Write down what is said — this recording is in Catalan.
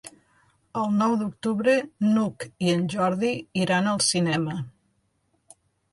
El nou d'octubre n'Hug i en Jordi iran al cinema.